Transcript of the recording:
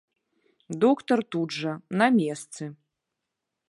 Доктар тут жа, на месцы.